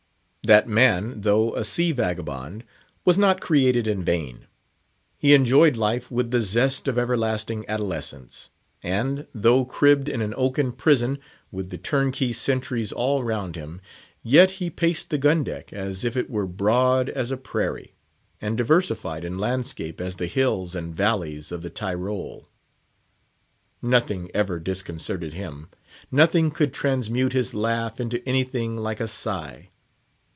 That man, though a sea vagabond, was not created in vain. He enjoyed life with the zest of everlasting adolescence; and, though cribbed in an oaken prison, with the turnkey sentries all round him, yet he paced the gun deck as if it were broad as a prairie, and diversified in landscape as the hills and valleys of the Tyrol. Nothing ever disconcerted him; nothing could transmute his laugh into anything like a sigh.